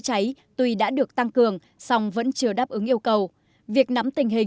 cháy tuy đã được tăng cường song vẫn chưa đáp ứng yêu cầu việc nắm tình hình